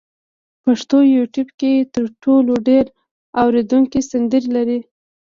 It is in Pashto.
پښتو یوټیوب کې تر ټولو ډېر اورېدونکي سندرې لري.